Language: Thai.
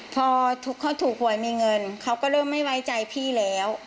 พอเขาถูกหวยมีเงินเขาก็เริ่มไม่ไว้ใจพี่แล้ว